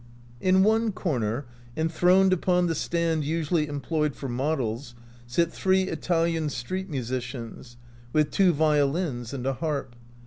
In one corner, enthroned upon the stand usually employed for models, sit three Italian street musicians, with two violins and a harp.